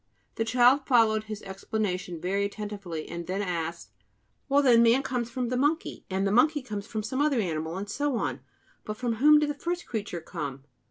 The child followed his explanation very attentively and then asked: "Well, then, man comes from the monkey, and the monkey from some other animal, and so on; but from whom did the first creature come?"